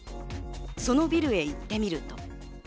そのビルへ行ってみると。